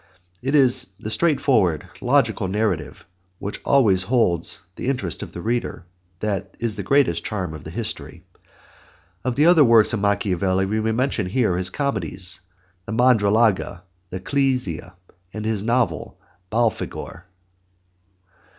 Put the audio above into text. It is the straightforward, logical narrative, which always holds the interest of the reader that is the greatest charm of the History. Of the other works of Machiavelli we may mention here his comedies the Mandragola and Clizia, and his novel Belfagor.